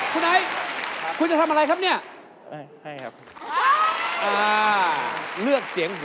คุณไหนคุณจะทำอะไรครับเนี่ย